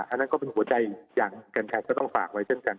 อันนั้นก็เป็นหัวใจอีกอย่างกัญชัยก็ต้องฝากไว้เช่นกัน